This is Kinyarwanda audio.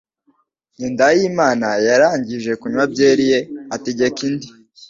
Jyendayimana yarangije kunywa byeri ye ategeka indi